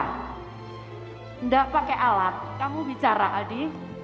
tidak pakai alat kamu bicara adi